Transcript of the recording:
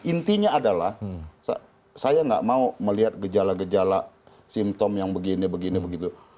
intinya adalah saya nggak mau melihat gejala gejala simptom yang begini begini begitu